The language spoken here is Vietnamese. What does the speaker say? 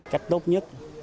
cách tốt nhất